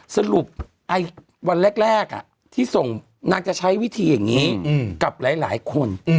สรุปวันแรกที่ส่งนางจะใช้วิธีอย่างนี้กับหลายคน